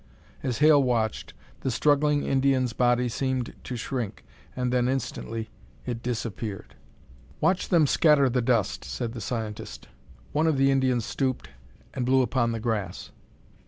As Hale watched, the struggling Indian's body seemed to shrink, and then, instantly, it disappeared. "Watch them scatter the dust!" said the scientist. One of the Indians stooped and blew upon the grass.